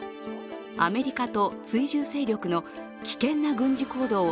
アメリカと追従勢力の危険な軍事行動を